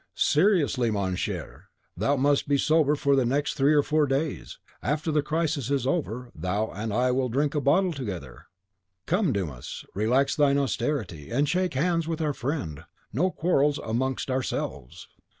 Seriously, mon cher, thou must be sober for the next three or four days; after the crisis is over, thou and I will drink a bottle together. Come, Dumas relax thine austerity, and shake hands with our friend. No quarrels amongst ourselves!"